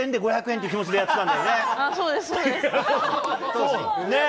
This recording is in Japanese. そう、ねぇ。